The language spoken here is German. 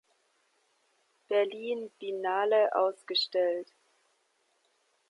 Berlin Biennale ausgestellt.